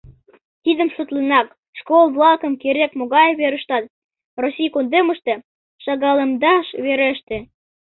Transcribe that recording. Тидым шотленак, школ-влакым керек-могай верыштат, Россий кундемыште, шагалемдаш вереште.